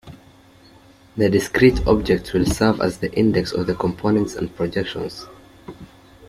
The discrete objects will serve as the index of the components and projections.